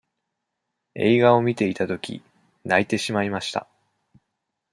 映画を見ていたとき、泣いてしまいました。